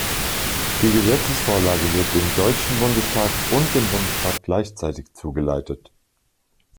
Die Gesetzesvorlage wird dem Deutschen Bundestag und dem Bundesrat gleichzeitig zugeleitet.